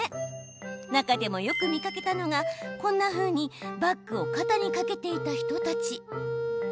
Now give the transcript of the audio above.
中でも、よく見かけたのがこんなふうにバッグを肩にかけていた人たち。